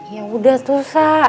ya udah tuh sa